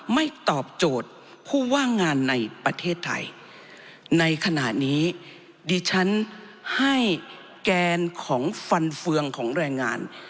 ไม่ตอบโจทย์ผู้ว่างงานในประเทศไทยในขณะนี้ดิฉันให้แกนของฟันเฟืองของแรงงาน